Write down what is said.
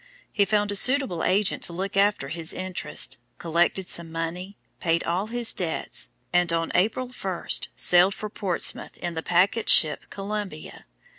He found a suitable agent to look after his interests, collected some money, paid all his debts, and on April 1 sailed from Portsmouth in the packet ship Columbia.